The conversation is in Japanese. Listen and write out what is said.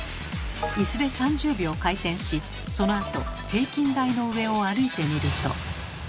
イスで３０秒回転しそのあと平均台の上を歩いてみると。